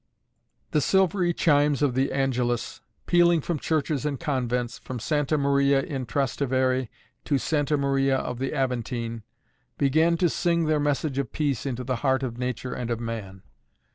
The silvery chimes of the Angelus, pealing from churches and convents, from Santa Maria in Trastevere to Santa Maria of the Aventine, began to sing their message of peace into the heart of nature and of man.